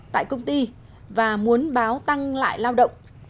tại công ty và muốn báo tăng lại lao động